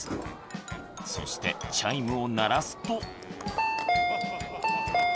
そしてチャイムを鳴らすと。